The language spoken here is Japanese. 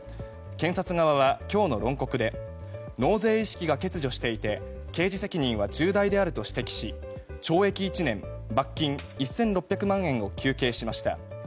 検察側は今日の論告で納税意識が欠如していて刑事責任は重大であると指摘し懲役１年、罰金１６００万円を求刑しました。